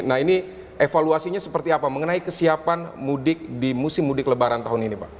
nah ini evaluasinya seperti apa mengenai kesiapan mudik di musim mudik lebaran tahun ini pak